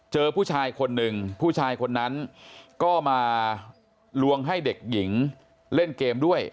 เจอผู้ชายคนหนึ่งผู้ชายคนนั้นก็มาลวงให้เด็กหญิงเล่นเกมด้วย